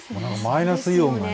マイナスイオンがね。